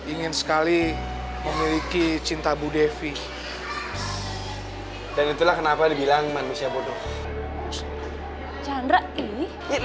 ingin sekali memiliki cinta bu devi dan itulah kenapa dibilang manusia bodoh chandra ini